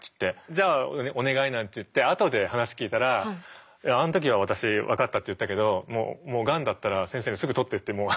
「じゃあお願い」なんて言って後で話聞いたら「あの時は私分かったって言ったけどもうがんだったら先生にすぐ取って」ってもう。